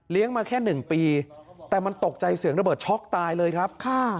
มาแค่๑ปีแต่มันตกใจเสียงระเบิดช็อกตายเลยครับ